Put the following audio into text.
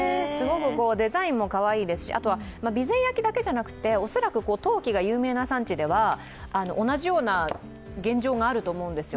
デザインもかわいいですし、あとは備前焼だけじゃなくて、恐らく陶器が有名な産地では同じような現状があると思うんですよ。